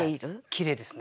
きれいですね。